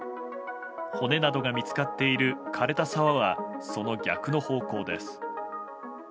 骨などが見つかっている枯れた沢はその逆の方向です。